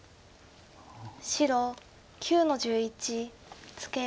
白９の十一ツケ。